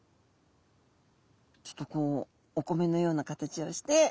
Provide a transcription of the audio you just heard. ちょっとこうお米のような形をして。